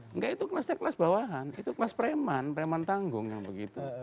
enggak itu kelasnya kelas bawahan itu kelas preman preman tanggung yang begitu